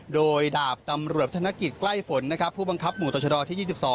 โดยดาบตำรวจธนกิจใกล้ฝนนะครับผู้บังคับหมู่ต่อชะดอที่๒๒